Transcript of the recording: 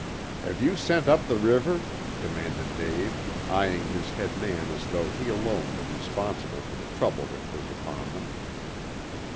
"Have you sent up the river?" demanded Dave, eyeing his head man as though he alone were responsible for the trouble which was upon them.